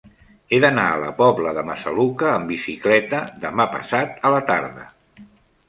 He d'anar a la Pobla de Massaluca amb bicicleta demà passat a la tarda.